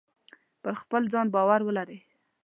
په خپل ځان باور ولرئ.